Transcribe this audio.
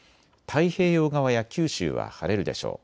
太平洋側や九州は晴れるでしょう。